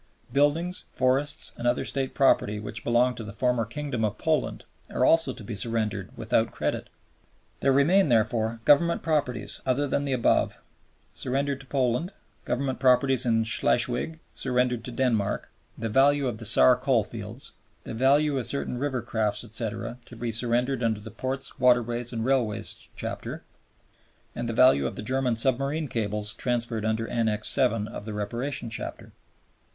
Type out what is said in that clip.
Buildings, forests, and other State property which belonged to the former Kingdom of Poland are also to be surrendered without credit. There remain, therefore, Government properties, other than the above, surrendered to Poland, Government properties in Schleswig surrendered to Denmark, the value of the Saar coalfields, the value of certain river craft, etc., to be surrendered under the Ports, Waterways, and Railways Chapter, and the value of the German submarine cables transferred under Annex VII. of the Reparation Chapter.